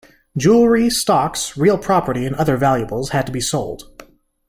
Jewellery, stocks, real property and other valuables had to be sold.